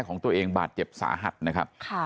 ของตัวเองบาดเจ็บสาหัสนะครับ